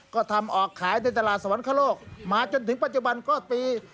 ก็ทำออกขายในตลาดสวรรคโลกมาจนถึงปัจจุบันก็ปี